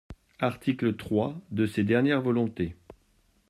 Article trois de ses dernières volontés.